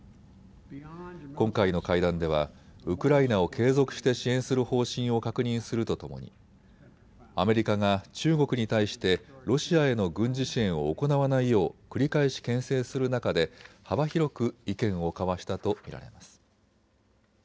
今回の会談ではウクライナを継続して支援する方針を確認するとともにアメリカが中国に対してロシアへの軍事支援を行わないよう繰り返しけん制する中で幅広く意見を交わしたと見られます。